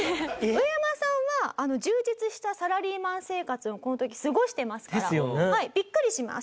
ウエヤマさんは充実したサラリーマン生活をこの時過ごしてますからビックリします。